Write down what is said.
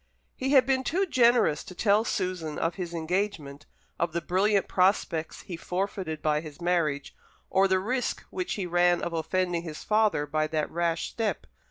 He had been too generous to tell Susan of his engagement, of the brilliant prospects he forfeited by his marriage, or the risk which he ran of offending his father by that rash step.